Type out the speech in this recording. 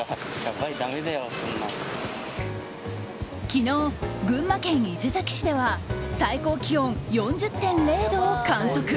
昨日、群馬県伊勢崎市では最高気温４０．０度を観測。